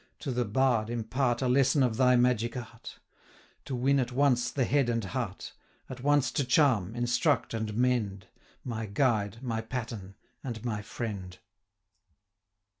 to the bard impart A lesson of thy magic art, To win at once the head and heart, At once to charm, instruct, and mend, My guide, my pattern, and my friend!